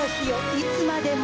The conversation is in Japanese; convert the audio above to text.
いつまでも』。